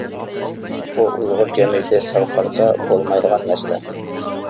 بۇ ئۇيغۇر جەمئىيىتى سەل قارىسا بولمايدىغان مەسىلە.